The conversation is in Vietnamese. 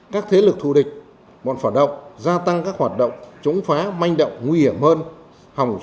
các thế lực thù địch bọn phản động gia tăng các hoạt động chống phá manh động nguy hiểm hơn